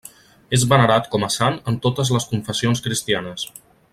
És venerat com a sant en totes les confessions cristianes.